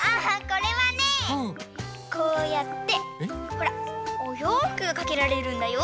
ほらおようふくがかけられるんだよ。